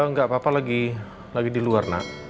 enggak papa lagi di luar nak